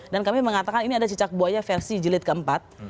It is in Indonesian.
dan kami mengatakan ini ada cicak buaya versi jilid keempat